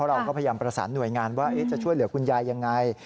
เราก็พยายามประสานหน่วยงานว่าจะช่วยเหลือคุณยายยังไง